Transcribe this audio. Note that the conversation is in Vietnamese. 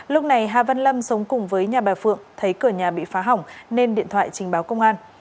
lúc này hà văn lâm sống cùng với nhà bà phượng thấy cửa nhà bị phá hỏng nên điện thoại trình báo công an